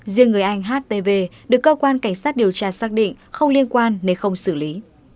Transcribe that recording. riêng người anh h t v được cơ quan cảnh sát điều tra xác định không liên quan nên không xử lý